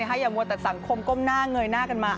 อย่ามัวแต่สังคมก้มหน้าเงยหน้ากันมา